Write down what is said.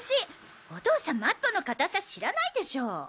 お父さんマットの硬さ知らないでしょ？